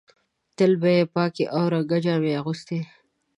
تل به یې پاکې او رنګه جامې اغوستلې.